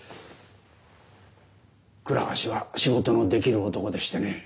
倉橋は仕事のできる男でしてね